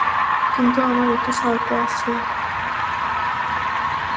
কিন্তু আমার একটি শর্ত আছে।